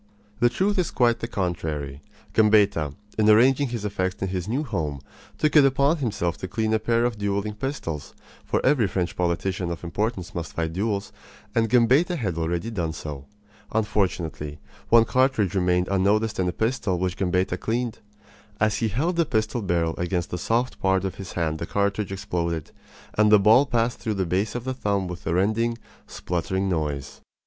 The truth is quite the contrary. Gambetta, in arranging his effects in his new home, took it upon himself to clean a pair of dueling pistols; for every French politician of importance must fight duels, and Gambetta had already done so. Unfortunately, one cartridge remained unnoticed in the pistol which Gambetta cleaned. As he held the pistol barrel against the soft part of his hand the cartridge exploded, and the ball passed through the base of the thumb with a rending, spluttering noise.